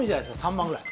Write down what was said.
３万ぐらい。